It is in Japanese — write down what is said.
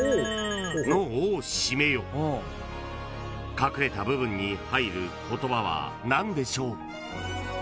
［隠れた部分に入る言葉は何でしょう？］